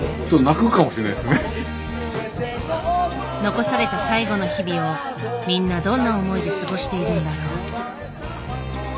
残された最後の日々をみんなどんな思いで過ごしているんだろう？